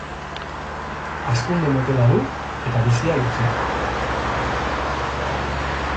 Hazkunde motela du, eta bizia luzea.